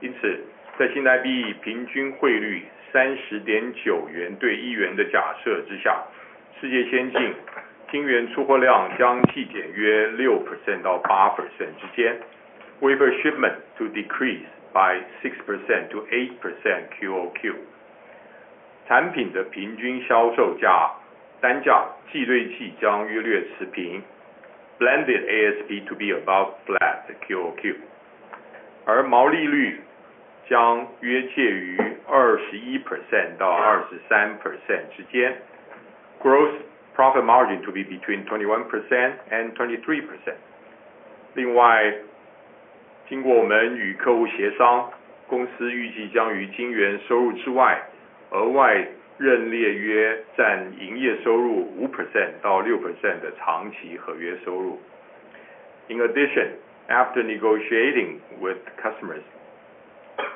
因此，在新台币平均汇率30.9元对1元的假设之下，世界先进晶圆出货量将季减约6%到8%之间，Wafer shipment to decrease by 6% to 8% QOQ。产品的平均销售价，单价季对季将约略持平。Blended ASP to be about flat QOQ。而毛利率将约介于21%到23%之间。Gross profit margin to be between 21% and 23%。另外，经过我们与客户协商，公司预计将于晶圆收入之外，额外认列约占营业收入5%到6%的长期合约收入。In addition, after negotiating with customers,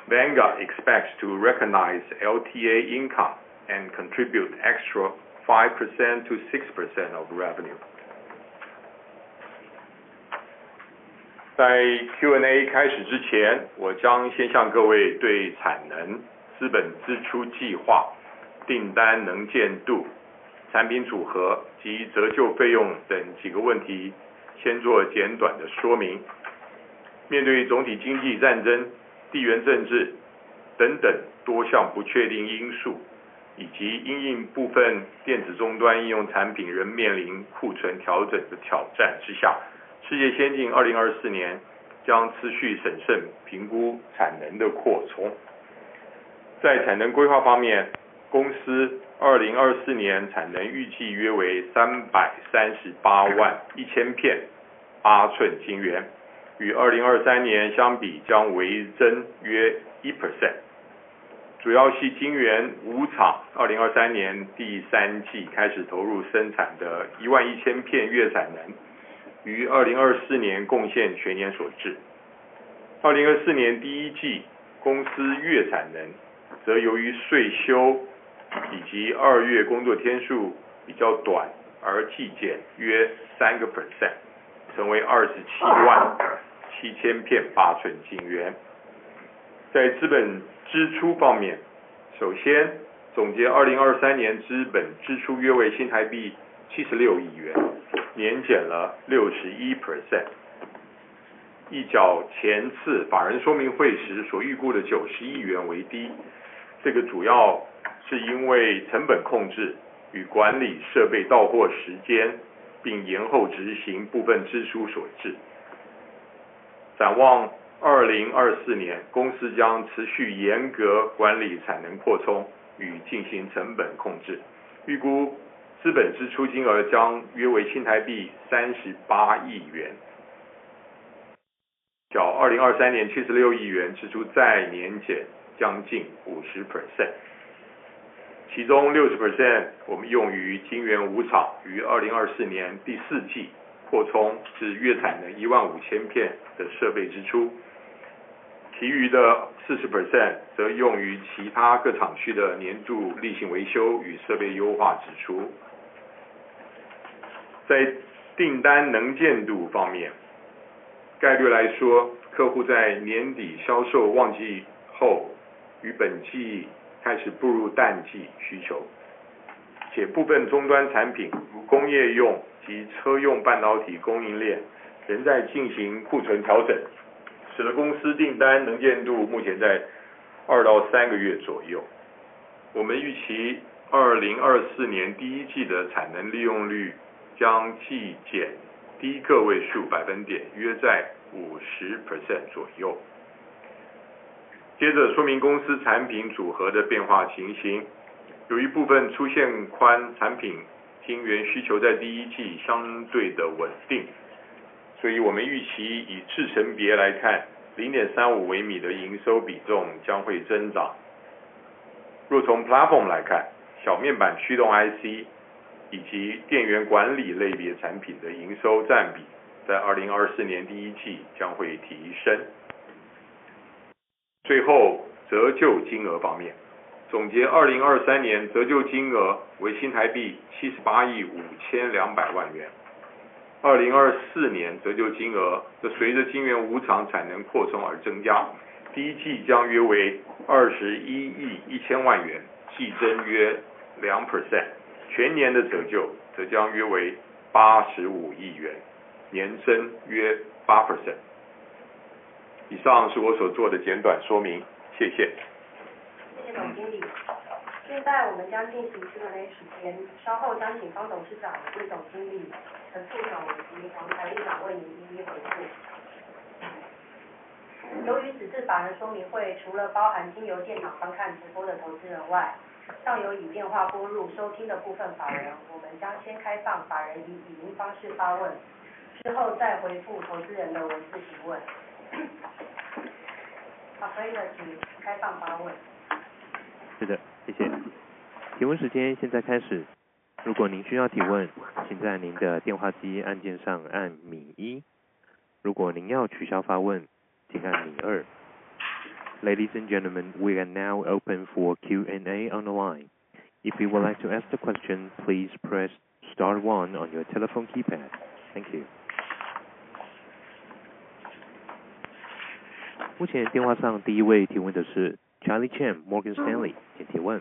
Vanguard expects to recognize LTA income and contribute extra 5% to 6% of revenue。在Q&A开始之前，我将先向各位对产能、资本支出计划、订单能见度、产品组合及折旧费用等几个问题先做简短的说明。是的，谢谢。提问时间现在开始。如果您需要提问，请在您的电话机按键上按星一，如果您要取消发问，请按星二。Ladies and gentlemen, we are now open for Q&A on the line. If you would like to ask the question, please press star one on your telephone keypad. Thank you. 目前电话上第一位提问的是Charlie Chen，Morgan Stanley，请提问。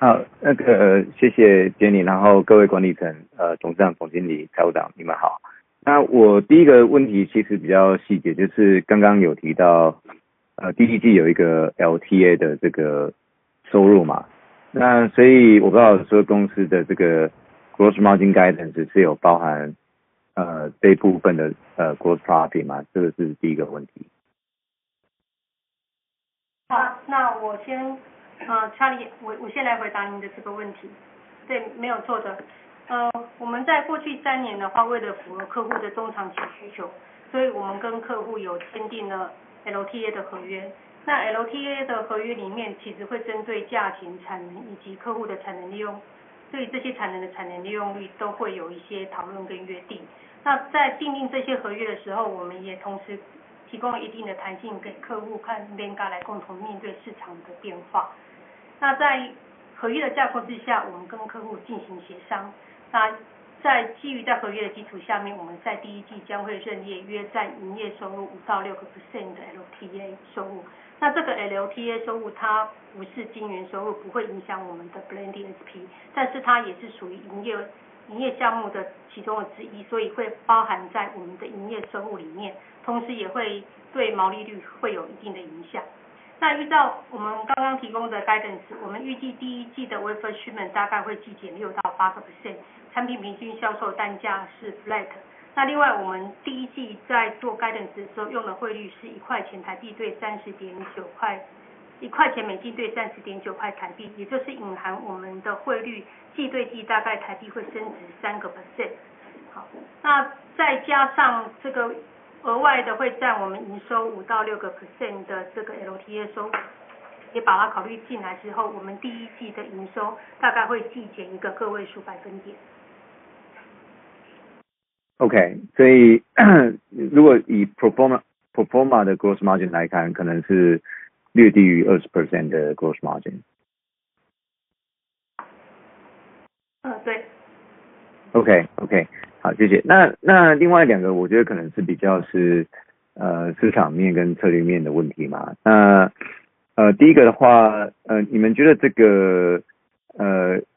好，那个谢谢Jenny，然后各位管理层，呃，董事长、总经理、财务长，你们好。那我第一个问题其实比较细节，就是刚刚有提到，呃，第一季有一个LTA的这个收入嘛，那所以我不知道说公司的这个gross margin guidance是有包含，呃，这一部分的，呃，gross profit吗？这个是第一个问题。好，那我先，呃，Charlie，我先来回答您的这个问题。对，没有错的。呃，我们在过去三年的话，为了符合客户的中长期需求，所以我们跟客户有签订了LTA的合约。那LTA的合约里面其实会针对价钱、产能以及客户的产能利用，对于这些产能的产能利用率都会有一些讨论跟约定。那这个LTA收入它不是晶圆收入，不会影响我们的blending SP，但是它也是属于营业、营业项目的其中之一，所以会包含在我们的营业收入里面，同时也会对毛利率会有一定的影响。那依照我们刚刚提供的guidance，我们预计第一季的wafer OK，所以如果以proforma，proforma的gross margin来看，可能是略低于20%的gross margin。呃，对。OK，OK，好，谢谢。那，那另外两个我觉得可能是比较是市场面跟策略面的问题嘛。那，第一个的话，你们觉得这个就是产能利用率或是cycle恢复比较慢，你们觉得多少是里面的问题，多少是竞争的问题？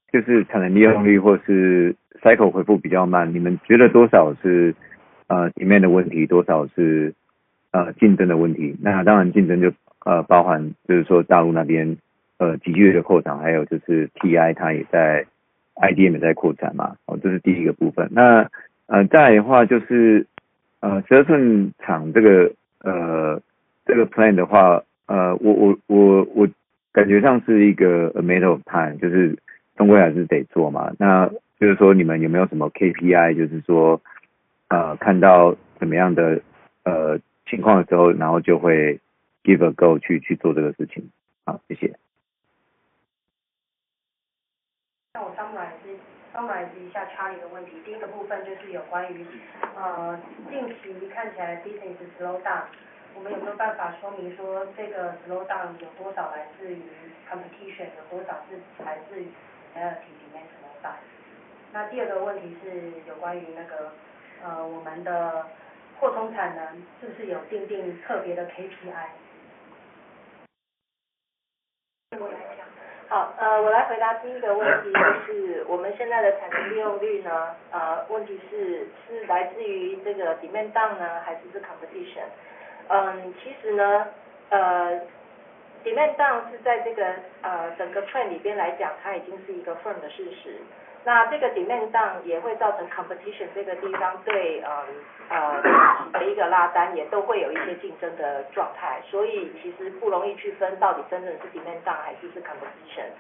那当然竞争就，呃，包含，就是说大陆那边，呃，积极地扩展，还有就是TI它也在...IDM也在扩展嘛，这是第一个部分。那再来的话，就是，呃，十二寸厂这个，呃，这个plan的话，呃，我感觉上是一个a matter of time，就是终归还是得做嘛。那就是说你们有没有什么KPI，就是说，呃，看到怎么样的，呃，情况的时候，然后就会give a go去做这个事情。好，谢谢。那我稍微来，稍微来提一下Charlie的问题。第一个部分就是有关于，呃，近期看起来business slow down，我们有没有办法说明说这个slow down有多少来自于competition，有多少是来自于里面什么的。那第二个问题是有关于那个，呃，我们的扩充产能，是不是有订定特别的KPI？ 好，我来回答第一个问题，就是我们现在的产能利用率问题是来自于这个demand down呢，还是competition？其实，demand down是在这个整个trend里面来讲，它已经是一个firm的事实，那这个demand down也会造成competition这个地方的一个拉单，也都会有一些竞争的状态，所以其实不容易区分到底真正是demand down还是competition。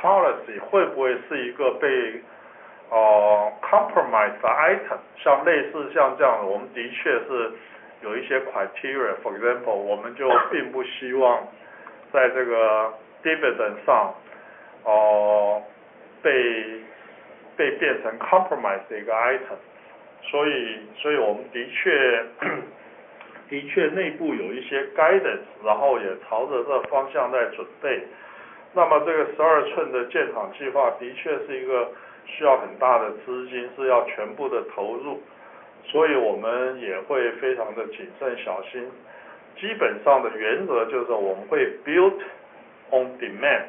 policy会不会是一个被compromise的item，像类似像这样的，我们的确是有一些criteria，for example，我们就并不希望在这个dividend上被变成compromise的一个item。所以我们的确内部有一些guidance，然后也朝着这个方向在准备。那么这个十二寸的建厂计划的确是一个需要很大的资金，是要全部的投入，所以我们也会非常的谨慎小心。基本上的原则就是我们会built on demand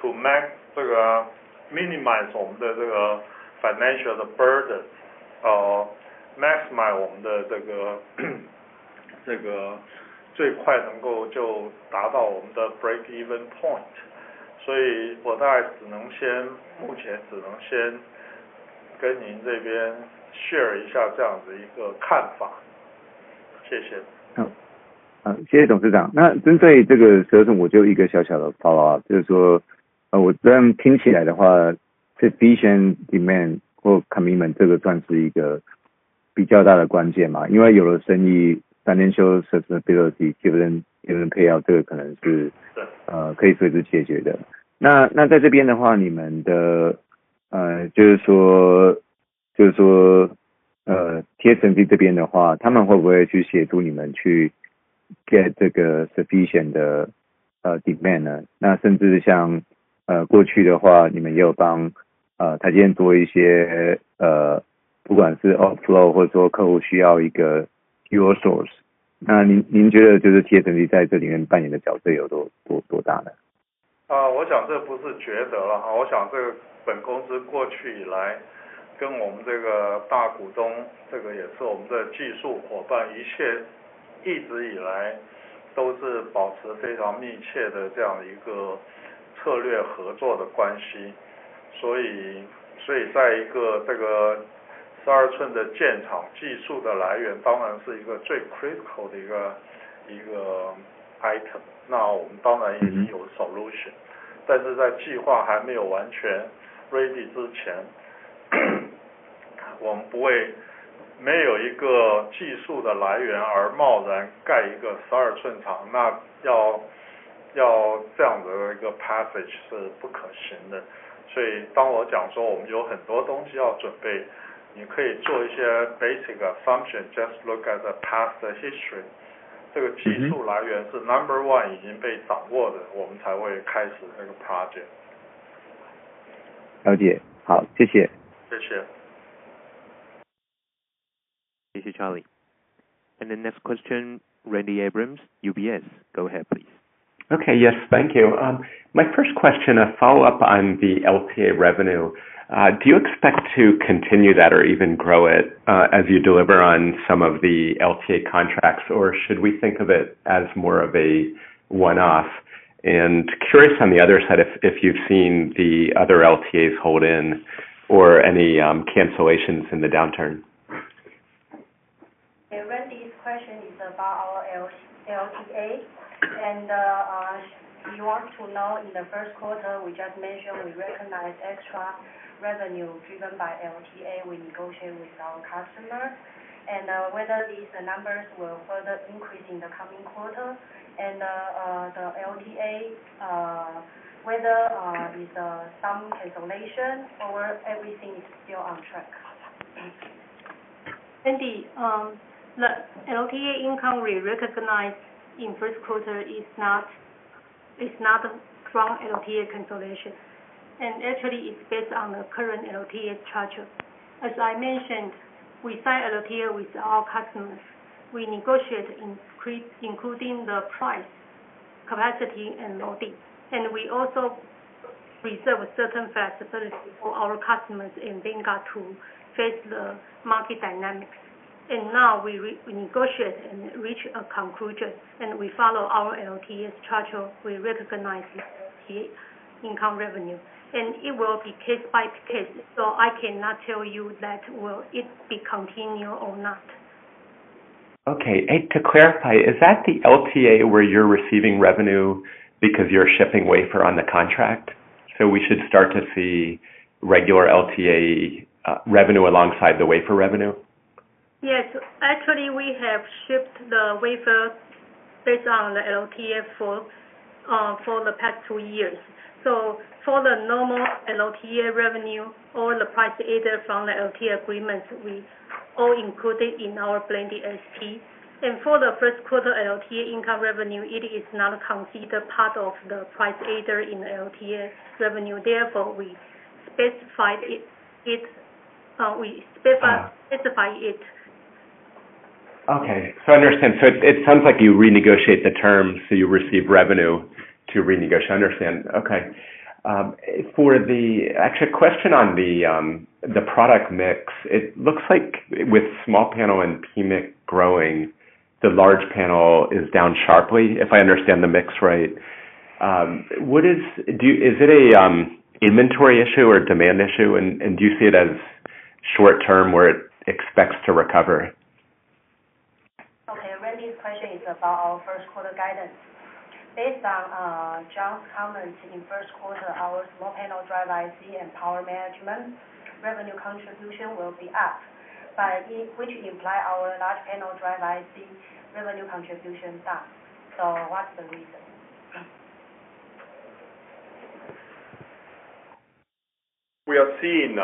to maximize这个minimize我们的这个financial的burden，maximize我们的这个，这个最快能够就达到我们的break-even point，所以我大概只能先——目前只能先跟您这边share一下这样子一个看法，谢谢。好，谢谢董事长，那针对这个十二寸，我就一个小小的follow up，就是说，呃，我这样听起来的话，sufficient demand或commitment这个算是一个比较大的关键嘛，因为有了生意，financial sustainability，given，given payout，这个可能是—— 对。可以随时解决的。那，那在这边的话，你们的……就是说，就是说，TSMC这边的话，他们会不会去协助你们去get这个sufficient的demand呢？那甚至像过去的话，你们也有帮台积电多一些……不管是off flow，或者说客户需要一个your source，那您，您觉得就是TSMC在这里面扮演的角色有多大呢？ assumption，just look at the past the history。这个 嗯。技术来源是number one已经被掌握的，我们才会开始这个project。了解。好，谢谢。谢谢。Thank you, Charlie. And the next question, Randy Abrams, UBS. Go ahead, please. Okay. Yes, thank you. My first question, a follow up on the LTA revenue. Do you expect to continue that or even grow it as you deliver on some of the LTA contracts? Or should we think of it as more of a one-off? And curious on the other side, if you've seen the other LTAs hold in or any cancellations in the downturn. Yeah, Randy's question is about our LT, LTA, and he wants to know, in the first quarter, we just mentioned, we recognize extra revenue driven by LTA. We negotiate with our customers and whether these numbers will further increase in the coming quarter and the LTA, whether is some cancellation or everything is still on track. Randy, the LTA income we recognize in first quarter is not from LTA cancellation, and actually it's based on the current LTA contract. As I mentioned, we sign LTA with our customers. We negotiate including the price, capacity, and loading, and we also reserve certain flexibility for our customers, and they got to face the market dynamics. Now we negotiate and reach a conclusion, and we follow our LTAs charger. We recognize the LTA income revenue, and it will be case by case, so I cannot tell you that will it be continue or not. Okay, and to clarify, is that the LTA where you're receiving revenue because you're shipping wafer on the contract, so we should start to see regular LTA revenue alongside the wafer revenue? Yes, actually, we have shipped the wafer based on the LTA for the past two years. So for the normal LTA revenue or the price adder from the LTA agreements, we all included in our blended SP. And for the first quarter LTA income revenue, it is not considered part of the price adder in LTA revenue. Therefore, we specified it. Okay, so I understand. So it sounds like you renegotiate the terms, so you receive revenue to renegotiate. Understand, okay. For the actually question on the product mix, it looks like with small panel and PMIC growing, the large panel is down sharply, if I understand the mix right. What is do you is it an inventory issue or demand issue? And do you see it as short term where it expects to recover? Randy's question is about our first quarter guidance. Based on John's comments, in first quarter, our small panel driver IC and power management revenue contribution will be up. But which imply our large panel driver IC revenue contribution down. So what's the reason? We are seeing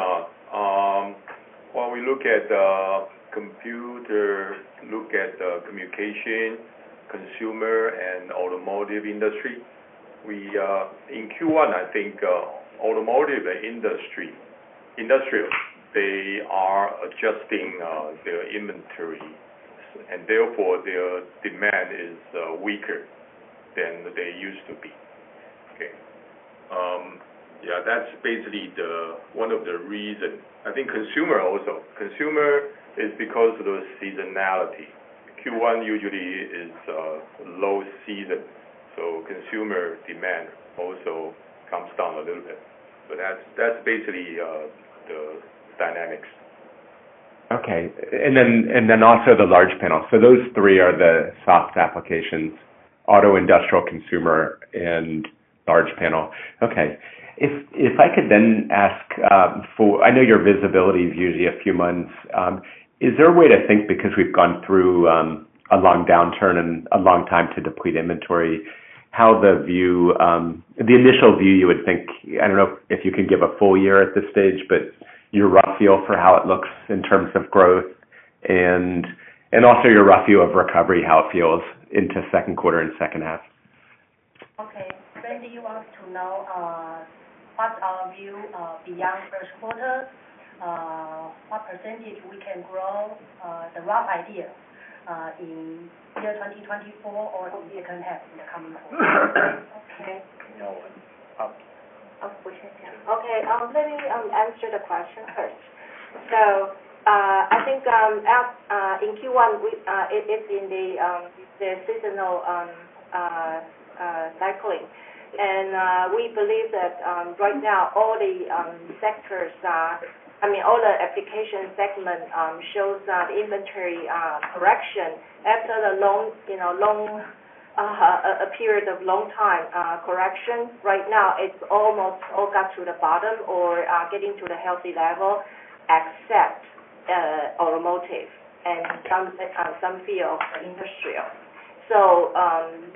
when we look at the computer, look at the communication, consumer and automotive industry, we in Q1, I think automotive industry, industrial, they are adjusting their inventory and therefore their demand is weaker than they used to be. Okay. Yeah, that's basically one of the reasons. I think consumer also. Consumer is because of the seasonality. Q1 usually is low season, so consumer demand also comes down a little bit. But that's basically the dynamics. Okay. And then also the large panel. So those three are the soft applications: auto, industrial, consumer and large panel. Okay. If I could then ask for-- I know your visibility is usually a few months. Is there a way to think, because we've gone through a long downturn and a long time to deplete inventory, how the view, the initial view, you would think, I don't know if you can give a full year at this stage, but your rough feel for how it looks in terms of growth and also your rough view of recovery, how it feels into second quarter and second half? Randy wants to know what our view beyond first quarter, what percentage we can grow, the rough idea in year 2024 or whole year can have in the coming quarter. No one. Let me answer the question first. I think as in Q1, we, it is in the seasonal cycling. We believe that right now all the sectors are, I mean, all the application segment, shows that inventory correction after the long period of long time correction. Right now, it's almost all got to the bottom or getting to the healthy level, except automotive and some field industrial.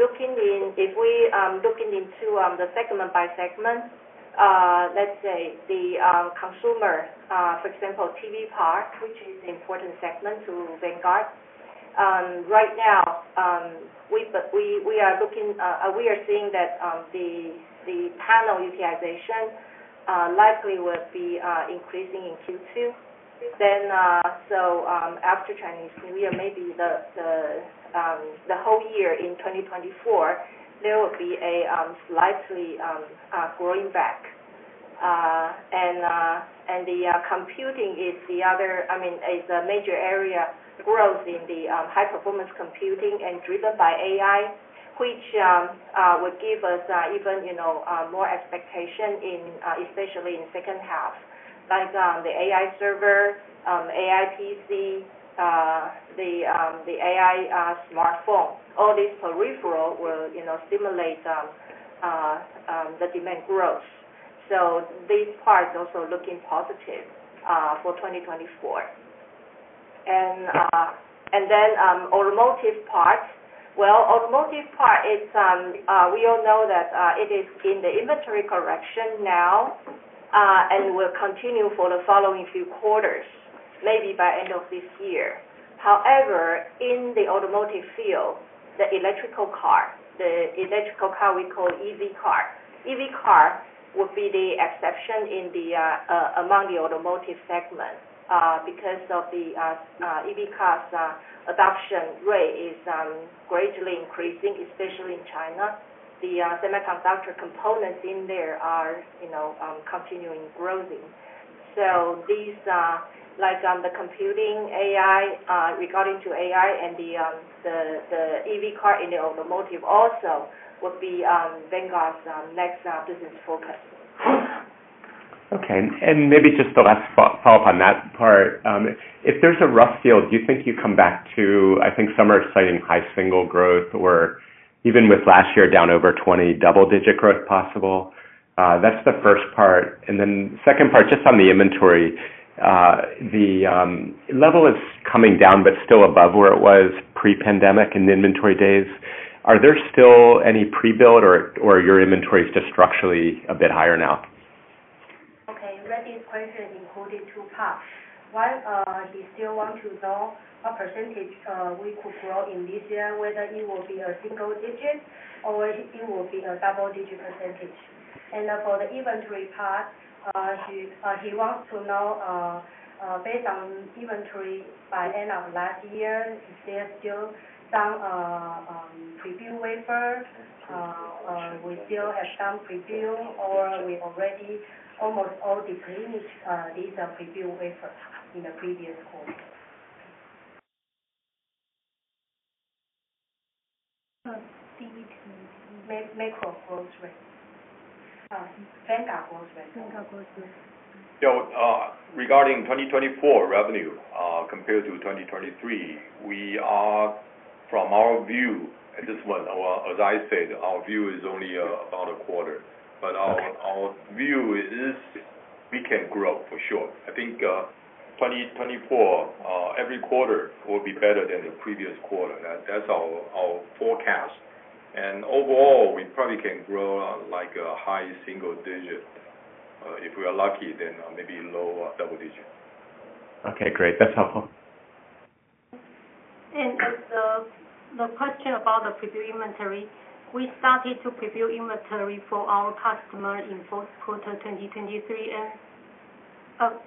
Looking into the segment by segment, let's say the consumer, for example, TV part, which is important segment to Vanguard. Right now, we are seeing that the panel utilization likely will be increasing in Q2. After Chinese New Year, maybe the whole year in 2024, there will be a slightly growing back. The computing is the other, I mean, is a major area growth in the high performance computing and driven by AI, which would give us even more expectation in especially in second half. Like the AI server, AI PC, the AI smartphone. All these peripheral will stimulate the demand growth. These parts also looking positive for 2024. Automotive parts. Well, automotive part is, we all know that it is in the inventory correction now and will continue for the following few quarters, maybe by end of this year. However, in the automotive field, the electrical car, the electrical car, we call EV car. EV car would be the exception in the among the automotive segment because of the EV cars adoption rate is greatly increasing, especially in China. The semiconductor components in there are continuing growing. These are like on the computing AI, regarding to AI and the EV car in the automotive also would be Vanguard's next business focus. Okay, and maybe just the last follow-up on that part. If there's a rough feel, do you think you come back to... I think some are citing high single growth or even with last year down over 20% double-digit growth possible. That's the first part. And then second part, just on the inventory. The level is coming down but still above where it was pre-pandemic in the inventory days. Are there still any pre-build or your inventory is just structurally a bit higher now? Okay, Randy's question included two parts. One, he still wants to know what percentage we could grow in this year, whether it will be a single digit or it will be a double-digit percentage. And then for the inventory part, he wants to know, based on inventory by end of last year, is there still some preview wafer? We still have some preview or we already almost all depleted these preview wafers in the previous quarter. Semiconductor growth rate. Vanguard growth rate. Vanguard growth rate. Regarding 2024 revenue compared to 2023, we are from our view at this point, or as I said, our view is only about a quarter. But our view is we can grow for sure. I think 2024, every quarter will be better than the previous quarter. That's our forecast. Overall, we probably can grow on like a high single digit. If we are lucky, then maybe low double digit. Okay, great. That's helpful. As the question about the pre-build inventory, we started to pre-build inventoryfor our customer in fourth quarter 2023 and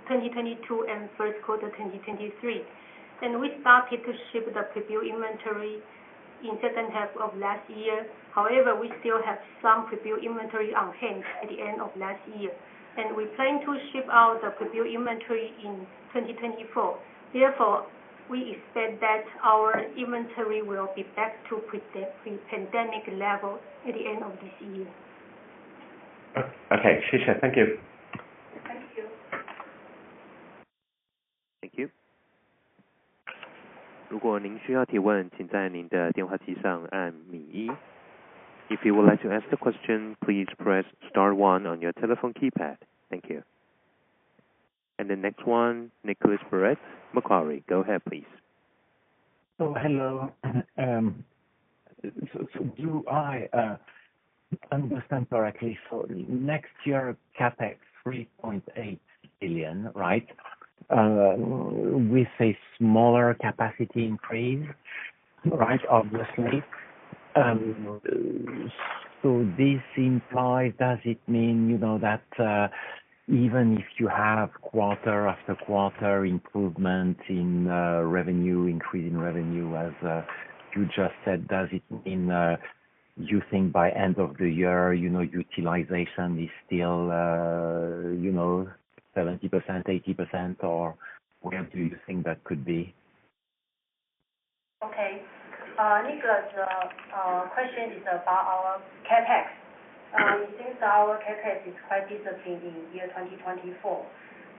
2022 and first quarter 2023. We started to ship the pre-build inventory in second half of last year. However, we still have some pre-build inventory on hand at the end of last year, and we plan to ship out the pre-build inventory in 2024. Therefore, we expect that our inventory will be back to pre-pandemic level at the end of this year. Oh, okay. Thank you. Thank you. Thank you. If you would like to ask the question, please press star one on your telephone keypad. Thank you. And the next one, Nicholas Barrett, Macquarie. Go ahead, please. Hello. Do I understand correctly, next year, CapEx $3.8 billion, right? With a smaller capacity increase, right, obviously. This implies, does it mean that even if you have quarter after quarter improvement in revenue, increase in revenue, as you just said, does it mean you think by end of the year utilization is still 70%, 80%, or where do you think that could be? Okay. Nicholas, our question is about our CapEx. Mm-hmm. Since our CapEx is quite disciplined in 2024,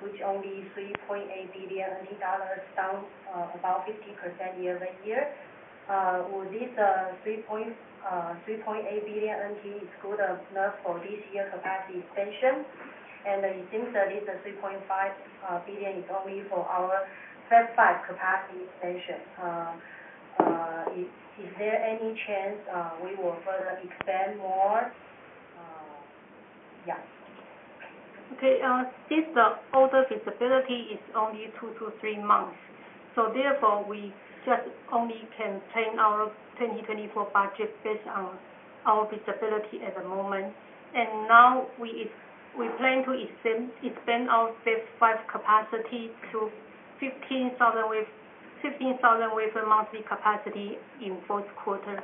which only NT$3.8 billion, down about 50% year-over-year. With this NT$3.8 billion is good enough for this year capacity expansion. I think that this NT$3.5 billion is only for our first phase five capacity expansion. Is there any chance we will further expand more? Yeah. Since the order visibility is only two to three months, so therefore, we just only can plan our 2024 budget based on our visibility at the moment. Now we plan to extend our phase five capacity to 15,000 monthly capacity in fourth quarter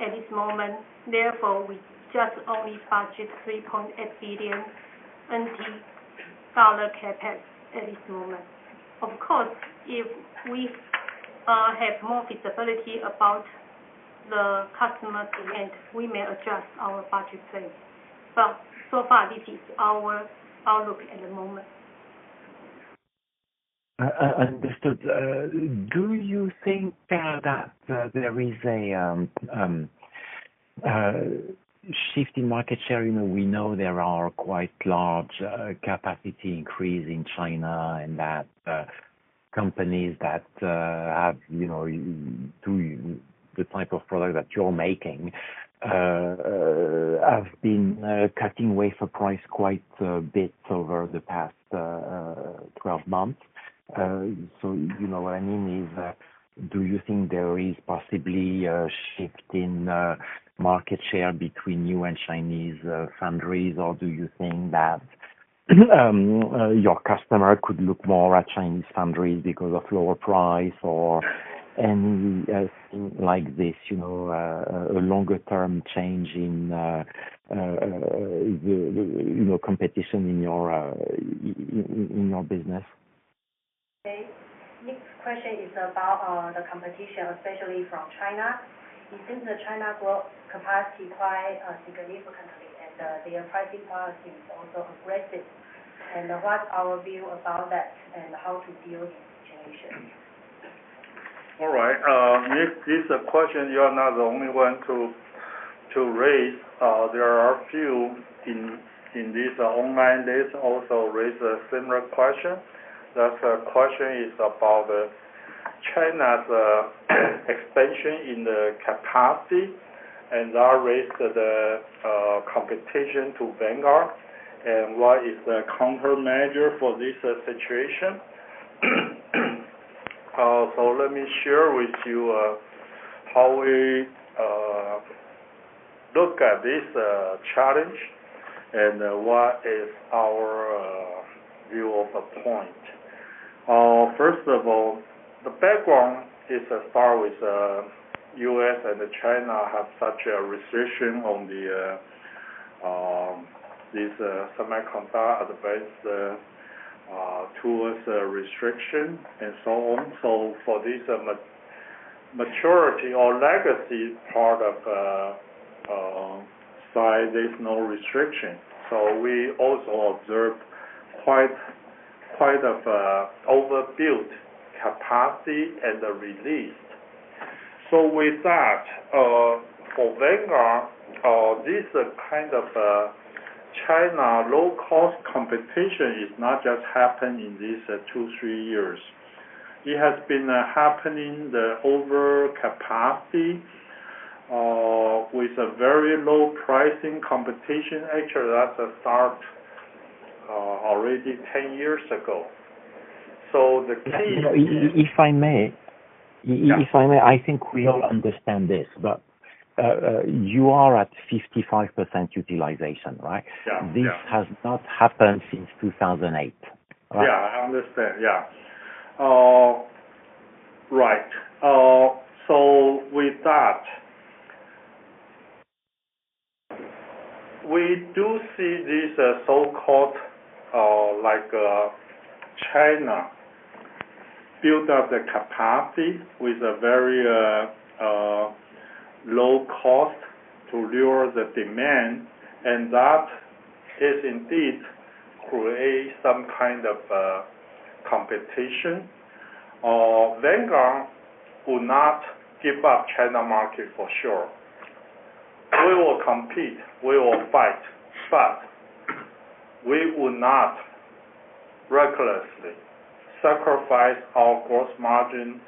at this moment. Therefore, we just only budget NT$3.8 billion CapEx at this moment. Of course, if we have more visibility about the customer demand, we may adjust our budget plan. But so far, this is our look at the moment. Understood. Do you think that there is a shift in market share? We know there are quite large capacity increases in China and that companies that have, you know, do the type of product that you're making have been cutting wafer price quite a bit over the past twelve months. So you know what I mean is, do you think there is possibly a shift in market share between you and Chinese foundries, or do you think that your customer could look more at Chinese foundries because of lower price or any things like this, you know, a longer term change in competition in your business? Next question is about the competition, especially from China. It seems that China grow capacity quite significantly, and their pricing policy is also aggressive. What's our view about that and how to deal with the situation? All right. This question, you are not the only one to raise. There are a few in this online days also raise a similar question. That question is about China's expansion in the capacity, and that raised the competition to Vanguard. And what is the countermeasure for this situation? So let me share with you how we look at this challenge, and what is our view of the point. First of all, the background is, as far as US and China have such a restriction on the semiconductor advance towards restriction and so on. So for this maturity or legacy part of side, there's no restriction. So we also observe quite of overbuilt capacity and the release. So with that, for Vanguard, this kind of China low-cost competition is not just happening in this two, three years. It has been happening, the overcapacity with a very low pricing competition. Actually, that's a start already ten years ago. So the key- If I may. Yeah. I think we all understand this, but you are at 55% utilization, right? Yeah. Yeah. This has not happened since 2008, right? I understand. Right. So with that, we do see this so-called China build up the capacity with a very low cost to lure the demand, and that is indeed create some kind of competition. Vanguard will not give up China market for sure. We will compete, we will fight, but we will not recklessly sacrifice our gross margin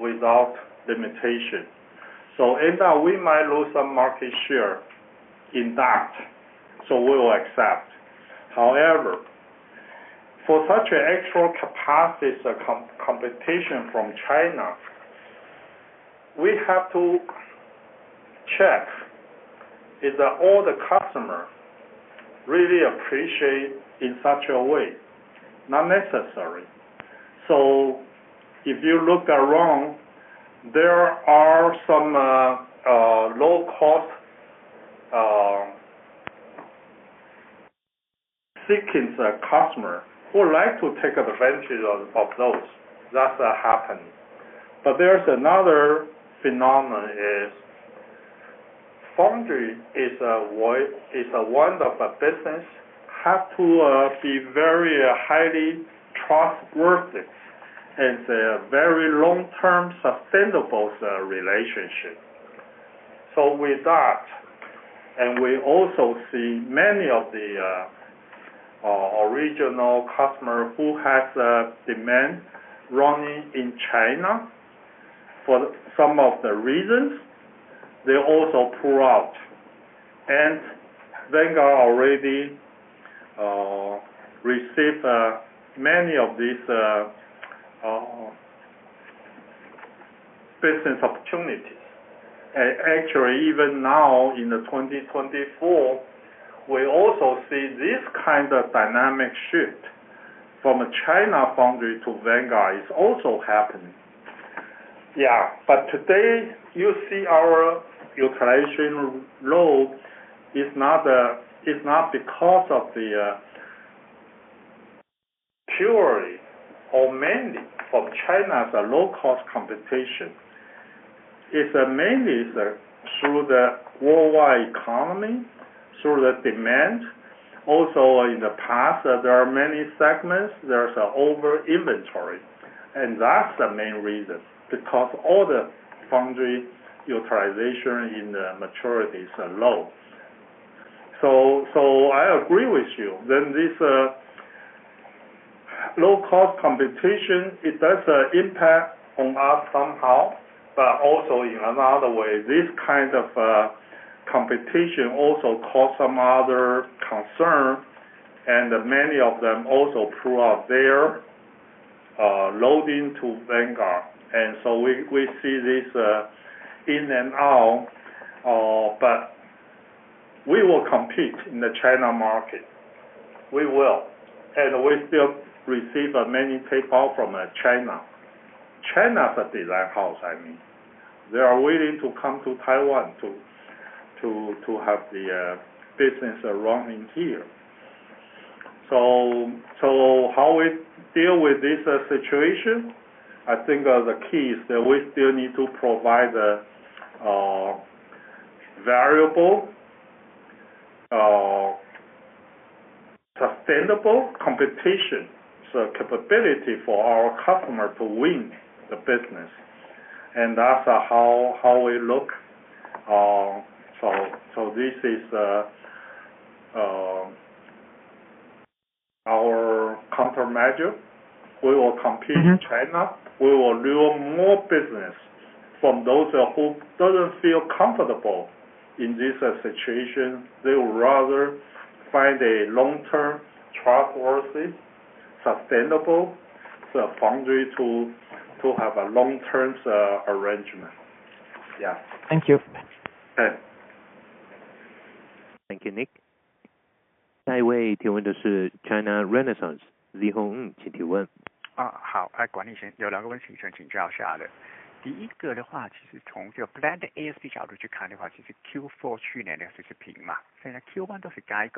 without limitation. So in that, we might lose some market share in that, so we will accept. However, for such an extra capacity competition from China, we have to check, is that all the customer really appreciate in such a way? Not necessary. So if you look around, there are some low cost seeking the customer who like to take advantage of those. That's happening. But there's another phenomenon is, foundry is one of a business, have to be very highly trustworthy, and a very long-term, sustainable relationship. So with that, and we also see many of the original customer who has a demand running in China. For some of the reasons, they also pull out, and Vanguard already receive many of these business opportunities. Actually, even now, in the 2024, we also see this kind of dynamic shift from China foundry to Vanguard is also happening. But today, you see our utilization load is not because of the purely or mainly from China's low-cost competition. It's mainly through the worldwide economy, through the demand. Also, in the past, there are many segments, there's over inventory, and that's the main reason, because all the foundry utilization in the maturity is low. So I agree with you, then this low-cost competition, it does impact on us somehow, but also in another way, this kind of competition also cause some other concern, and many of them also prove out their loading to Vanguard. And so we see this in and out, but we will compete in the China market. We will, and we still receive many people from China. China's a design house, I mean. They are willing to come to Taiwan to have the business running here. So how we deal with this situation, I think the key is that we still need to provide the variable, sustainable competition, so capability for our customer to win the business, and that's how we look. So this is our countermeasure. We will compete. Mm-hmm. in China. We will do more business from those who doesn't feel comfortable in this situation. They would rather find a long-term, trustworthy, sustainable foundry to have a long-term arrangement. Yeah. Thank you. Okay. Thank you, Nick. 下一位提问的是China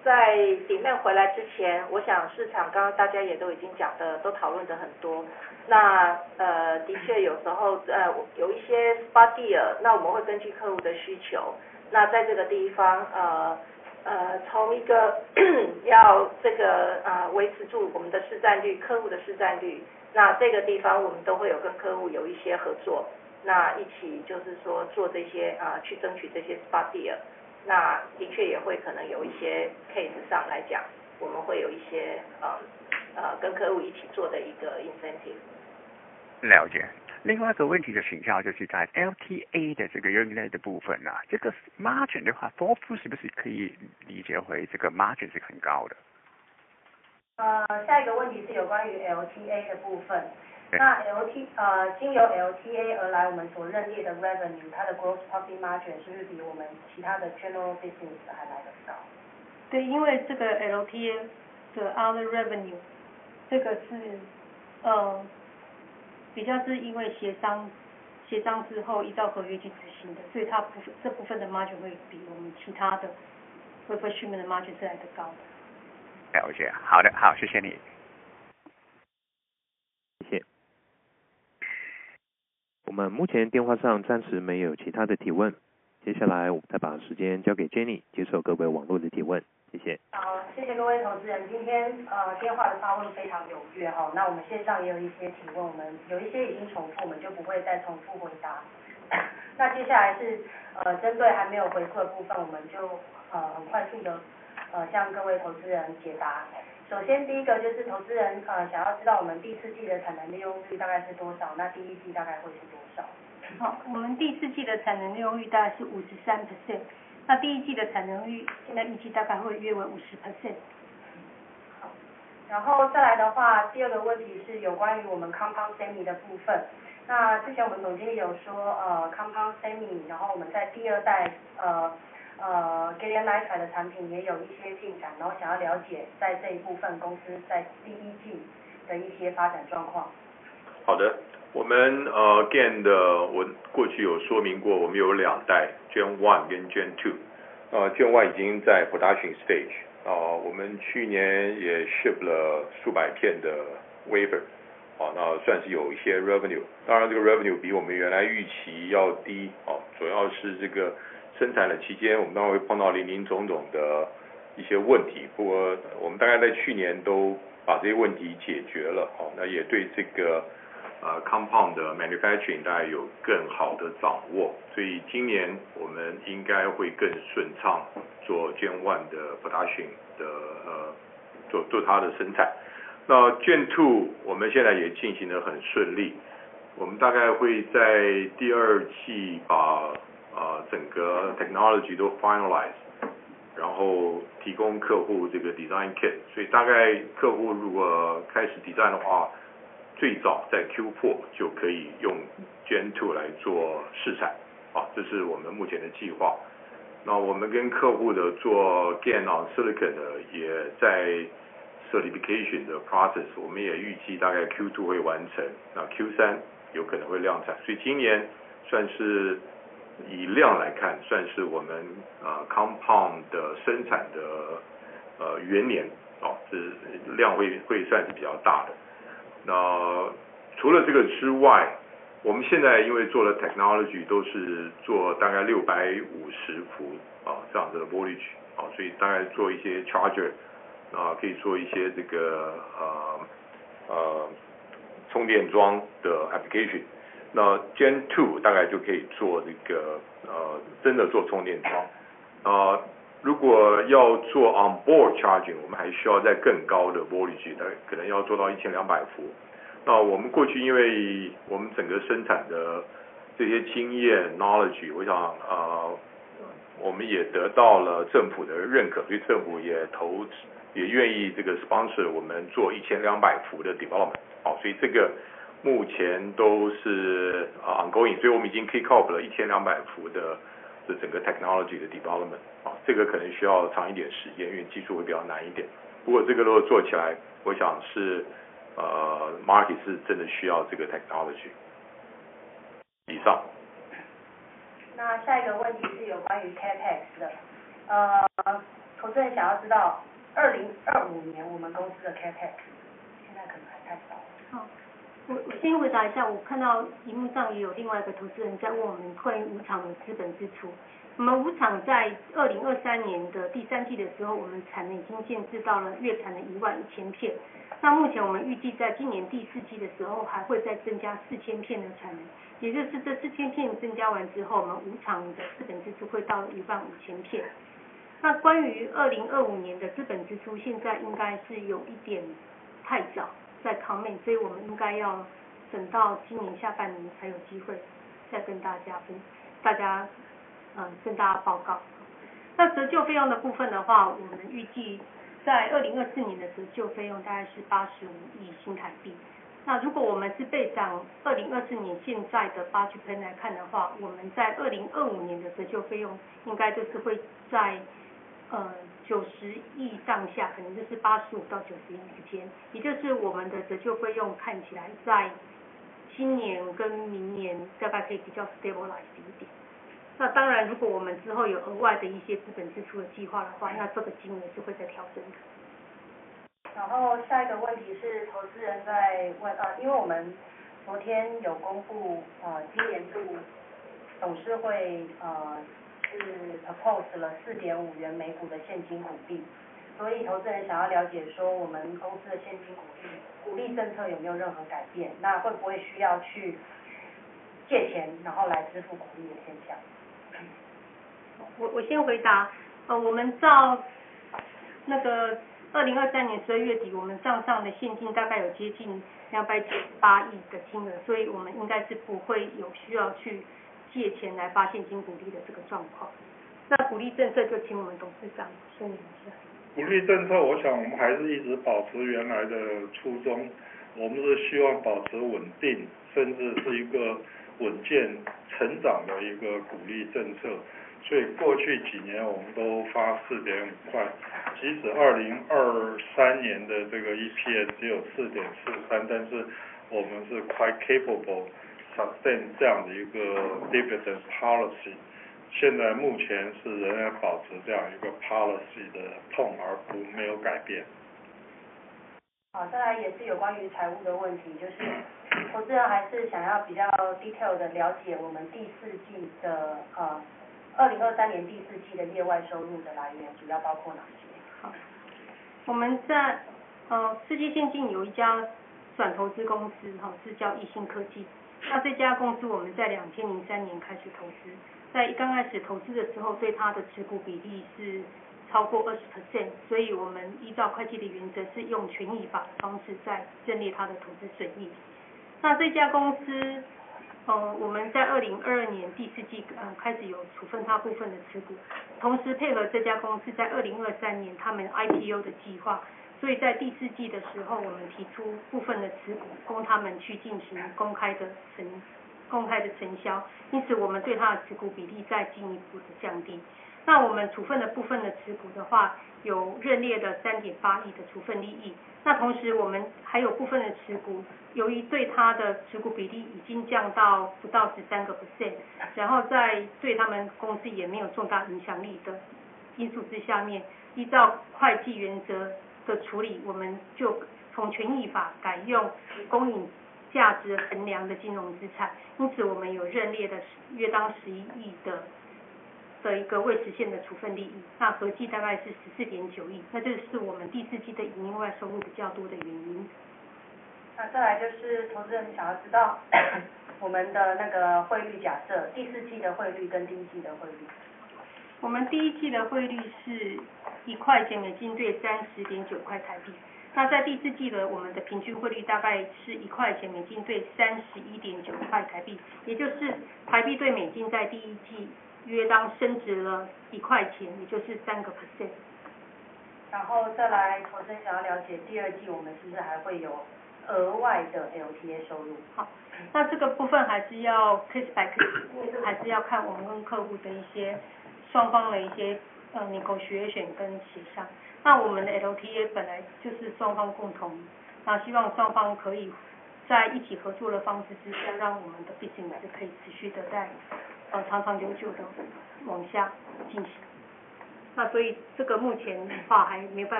Renaissance，李宏，请提问。哦，好，管理层，有两个问题想请教一下。第一个的话，其实从这个blended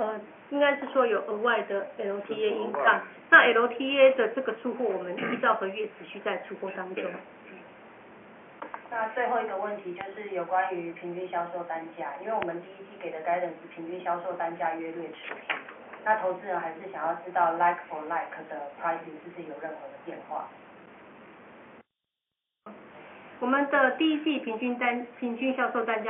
呃，李宏，您的问题是有关于我们Q4跟Q1的blended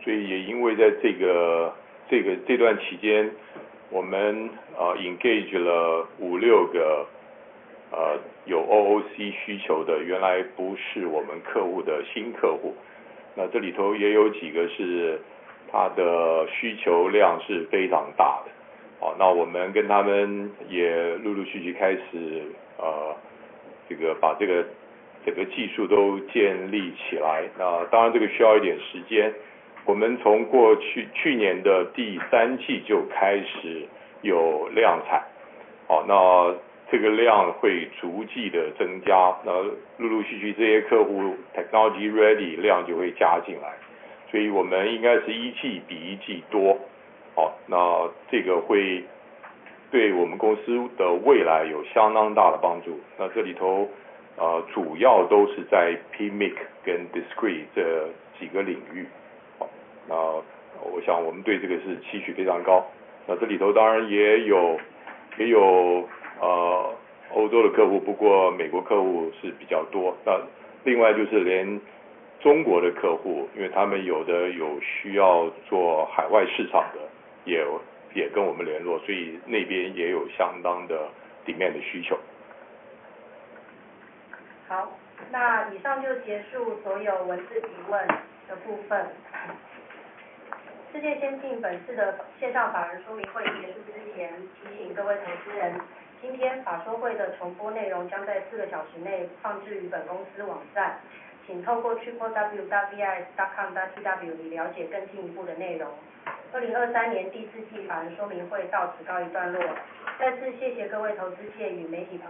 ASP看起来都是flat，然后—— 对。会有没有一个风险是，是什么？我没听清楚。就是 demand 回来之前，我们的 pricing 会有一个 letdown。哦，OK。嗯。所以，有没有可能是demand回来之前，我们是不是为了要维持产能利用率等等，然后会有其他的incentive影响我们的blended ASP。对，对，对，哈。在这个部分呢，其实在demand回来之前，我想市场刚刚大家也都已经讲得都讨论得很多，那的确有时候有一些spot deal，那我们会根据客户的需求，那在这个地方从一个要维持住我们的市占率、客户的市占率，那这个地方我们都会有跟客户有一些合作，那一起就是说做这些去争取这些spot deal。那的确也会可能有一些case上来讲，我们会有一些，跟客户一起做的一个incentive。了解。另外一个问题就请教，就是在LTA的这个revenue的部分啊，这个margin的话，大幅是不是可以理解为这个margin是很高的？ 呃，下一个问题是有关于LTA的部分。对。那LT，呃，经由LTA而来，我们所认列的revenue，它的gross profit margin是不是比我们其他的general business还来得高？ 对，因为这个LTA的other revenue，这个是，呃，比较是因为协商，协商之后依照合约去执行的，所以它这部分的margin会比我们其他的wafer treatment的margin再来得高。了解，好的，好，谢谢你。谢谢。我们目前电话上暂时没有其他的提问，接下来我们再把时间交给Jenny，接受各位网络的提问。谢谢。好，谢谢各位投资人，今天，呃，电话的发问非常踊跃哦，那我们线上也有一些提问，我们有一些已经重复，我们就不会再重复回答。那接下来是，呃，针对还没有回复的部分，我们就，呃，很快速地，呃，向各位投资人解答。首先第一个就是投资人，呃，想要知道我们第四季的产能利用率大概是多少，那第一季大概会是多少？ 好，我们第四季的产能利用率大概是53%，那第一季的产能率现在预计大概会约为50%。好，然后再来的话，第二个问题是有关于我们compound semi的部分，那之前我们董事长有说，呃，compound semi，然后我们在第二代，呃，呃，Gallium nitride的产品也有一些进展，然后想要了解在这一部分公司在第一季的一些发展状况。好的，我们GaN的我过去有说明过，我们有两代，Gen one跟Gen two。Gen one已经在production stage，我们去年也shipped了数百片的wafer，那算是有一些revenue，当然这个revenue比我们原来预期要低，主要是这个生产的期间，我们当然会碰到林林总总的一些问题，不过我们大概在去年都把这些问题解决了，那也对这个compound的manufacturing大概有更好的掌握，所以今年我们应该会更顺畅，做Gen one的production的做它的生产。那Gen two我们现在也进行得很顺利，我们大概会在第二季把，呃，整个technology都finalized，然后提供客户这个design kit，所以大概客户如果开始design的话，最早在Q4就可以用Gen two来做试产，哦，这是我们目前的计划。那我们跟客户的做GaN-on-silicon也在certification的process，我们也预计大概Q2会完成，那Q3有可能会量产。所以今年算是以量来看，算是我们compound的生产的元年，就是量会算是比较大的。那除了这个之外，我们现在因为做的technology都是做大概650伏这样的voltage，所以大概做一些charger，可以做一些充电桩的application。那Gen two大概就可以做真的做充电桩。如果要做on-board charging，我们还需要再更高的voltage，可能要做到一千二百伏。我们过去因为我们整个生产的这些经验knowledge，我想我们也得到了政府的认可，所以政府也投资，也愿意sponsor我们做一千二百伏的development，所以这个目前都是ongoing，所以我们已经kick off了一千二百伏的这个technology的development。这个可能需要长一点时间，因为技术会比较难一点。不过这个如果做起来，我想是，呃，market是真的需要这个technology，以上。那下一个问题是有关于Capex的。呃，投资人想要知道，2025年我们公司的Capex。好，我先回答一下，我看到银幕上也有另外一个投资人在问我们关于五厂的资本支出。我们五厂在2023年的第三季的时候，我们的产能已经建设到了月产的11,000片，那目前我们预计在今年第四季的时候还会再增加4,000片的产能，也就是这4,000片增加完之后，我们五厂的产能会到15,000片。那关于2025年的资本支出，现在应该是有一点太早来comment，所以我们应该要等到今年下半年才有机会再跟大家分，大家，跟大家报告。那折旧费用的部分的话，我们预计在2024年的折旧费用大概是85亿新台币，那如果我们是based on 2024年现在的budget plan来看的话，我们在2025年的折旧费用应该就是会在90亿上下，可能就是85到90亿之间，也就是我们的折旧费用看起来在今年跟明年大概可以比较stable化一点。那当然，如果我们之后有额外的一些资本支出的计划的话，那这个金额就会再调整了。然后下一个问题是投资人在问，因为我们昨天有公布，今年度董事会是propose了¥4.5元每股的现金股利，所以投资人想要了解说我们公司的现金股利、股利政策有没有任何改变，那会不会需要去借钱，然后来支付股利的现象。我，我先回答。呃，我们照那个2023年12月底，我们账上的现金大概有接近¥298亿的金额，所以我们应该是不会有需要去借钱来发现金股利的这个状况。那股利政策就请我们董事长说明一下。股利政策，我想我们还是一直保持原来的初衷，我们是希望保持稳定，甚至是一个稳健成长的一个股利政策，所以过去几年我们都发¥4.5，即使2023年的这个EPS只有4.43，但是我们是quite capable sustain这样的一个dividend policy，现在目前是仍然保持这样一个policy的tone，而没有改变。好，再来也是有关于财务的问题，就是投资人还是想要比较详细地了解我们第四季的……呃，2023年第四季的业外收入的来源主要包括哪些？ 好，我们在四季兴进有一家转投资公司，是叫翼兴科技，那这家公司我们在2003年开始投资，在刚开始投资的时候，对它的持股比例是超过20%，所以我们依照会计的原则，是用权益法的方式在认列它的投资收益。那这家公司，我们在2022年第四季开始有处分它部分的持股，同时配合这家公司在2023年他们IPO的计划，所以在第四季的时候，我们提出部分的持股，供他们去进行公开的承销，因此我们对它的持股比例再进一步地降低。那我们处分的部分的持股的话，有认列了3.8亿的处分利益，那同时我们还有部分的持股，由于对它的持股比例已经降到不到13%，然后在对他们公司也没有重大影响力的因素之下面，依照会计原则的处理，我们就从权益法改用公允价值衡量的金融资产，因此我们有认列了约当11亿的一个未实现的处分利益，那合计大概是14.9亿，那这是我们第四季的营业外收入比较多的原因。那再来就是投资人想要知道，我们的那个汇率假设，第四季的汇率跟第一季的汇率。我們第一季的匯率是一塊錢美金兌三十點九塊台幣，那在第四季呢，我們的平均匯率大概是一塊錢美金兌三十一點九塊台幣，也就是台幣兌美金在第一季約當升值了一塊錢，也就是3%。然后再来投资人想要了解第二季我们是不是还会有额外的LTA收入？ 好，那这个部分还是要case by case，还是要看我们跟客户的一些双方的一些negotiation跟协商。那我们的LTA本来就是双方共同，那希望双方可以在一起合作的方式之下，让我们的business可以持续地在长长久久地往下进行。那所以这个目前的话还没办法给大家comment，是否第二季还会有其他的LTA收入。LTA的意思是什么？ 呃，应该是说有额外的LTA impact，那LTA的这个出货，我们就依照合约持续在出货当中。那最后一个问题就是有关于平均销售单价，因为我们第一季给的guidance平均销售单价约略持平，那投资人还是想要知道like for like的pricing是不是有任何的变化？ 我们的第一季平均单，平均销售单价持平，那在第一季的时候，其实我们的客户，有些客户还是有面，面对市场的竞争，所以为了协助客户，我们当然还是会跟客户合作，持续地给他们一些incentive。不过也由于我们有比较多的LTA合约在出货，那LTA这些合约都会有一些price aid，大部分让我们的blending ASP是比较好的，那会offset掉了这些incentive impact。好，还有最后，最后新进来的问题是有关于，呃，因为geopolitical issue，那我们公司看到，呃，所谓的OEC或是一些欧美客户来我们这边business的状况，那请金务阶层做一个update。好，我稍微讲一下，我们因为OOC这个对我们公司来讲是一个利大于弊的一个转机，所以也因为在这段期间，我们engage了五六个有OOC需求的，原来不是我们客户的新客户，那这里头也有几个是他的需求量是非常大的，那我们跟他们也陆陆续续开始把这个整个技术都建立起来，那当然这个需要一点时间。我们从过去去年的第三季就开始有量产，那这个量会逐季地增加，然后陆陆续续这些客户technology ready量就会加进来，所以我们应该是一季比一季多，那这个会对我们公司的未来有相当大的帮助。那这里头，主要都是在PMIC跟Discrete这几个领域，那我想我们对这个是期许非常高。那这里头当然也有，也有，欧洲的客户，不过美国客户是比较多。那另外就是连中国的客户，因为他们有的有需要做海外市场的，也跟我们联络，所以那边也有相当的需求。好，那以上就结束所有文字提问的部分。世界先进本次的线上法人说明会结束之前，提醒各位投资人，今天法说会的重播内容将在四个小时内放置于本公司网站，请透过www.wis.com.tw以了解更进一步的内容。2023年第四季法人说明会到此告一段落，再次谢谢各位投资界与媒体朋友们参加，祝您身体健康，万事如意。